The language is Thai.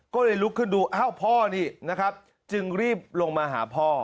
ก็เลยลุกขึ้นดูอ้าวพ่อนี่นะครับจึงรีบลงมาหาพ่อ